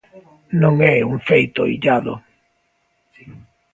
Non é un feito illado.